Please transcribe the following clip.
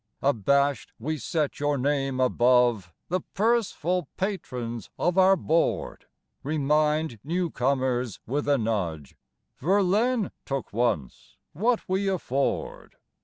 Abashed, we set your name above The purse full patrons of our board; Remind newcomers with a nudge, "Verlaine took once what we afford!"